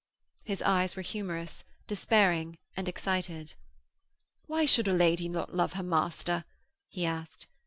His eyes were humorous, despairing and excited. 'Why should a lady not love her master?' he asked.